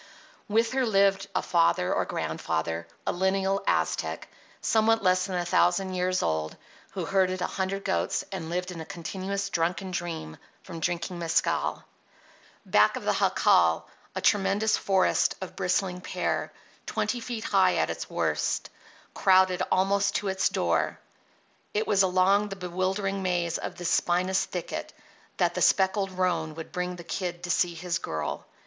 With her lived a father or grandfather, a lineal Aztec, somewhat less than a thousand years old, who herded a hundred goats and lived in a continuous drunken dream from drinking mescal. Back of the jacal a tremendous forest of bristling pear, twenty feet high at its worst, crowded almost to its door. It was along the bewildering maze of this spinous thicket that the speckled roan would bring the Kid to see his girl.